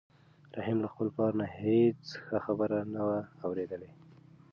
رحیم له خپل پلار نه هېڅ ښه خبره نه وه اورېدلې.